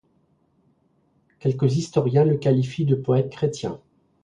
Quelques historiens le qualifient de poète chrétien.